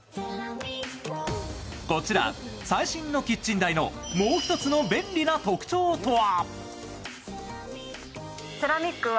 こちら、最新のキッチン台のもう１つの便利な機能とは？